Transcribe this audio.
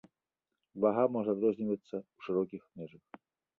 Вага можа адрознівацца ў шырокіх межах.